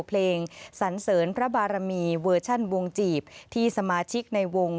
เพลงสันเสริญพระบารมีเวอร์ชันวงจีบที่สมาชิกในวง